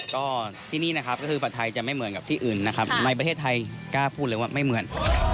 ก็ที่นี่นะครับก็คือผัดไทยจะไม่เหมือนกับที่อื่นนะครับในประเทศไทยกล้าพูดเลยว่าไม่เหมือน